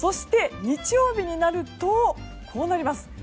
日曜日になるとこうなります。